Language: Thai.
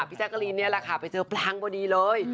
พี่แจ๊กรีนเนี่ยแหละค่ะไปเจอปลั๊งพอดีเลย